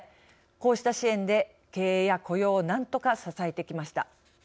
こうした支援で、経営や雇用をなんとか支えてきました。